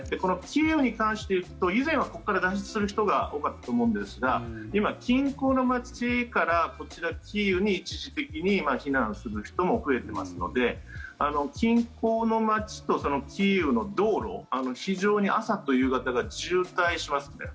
キーウに関していうと以前はここから脱出する人が多かったと思うんですが近郊の街からこちらキーウに一時的に避難する人も増えていますので近郊の街とキーウの道路非常に朝と夕方が渋滞しますね。